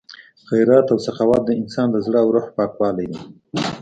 خیرات او سخاوت د انسان د زړه او روح پاکوالی دی.